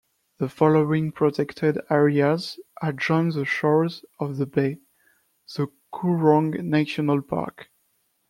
The following protected areas adjoin the shores of the bay: the Coorong National Park.